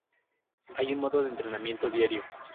Hay un modo de entrenamiento diario.